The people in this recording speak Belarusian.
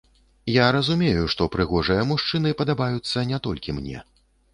Я разумею, што прыгожыя мужчыны падабаюцца не толькі мне.